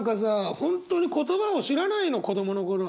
本当に言葉を知らないの子供の頃は。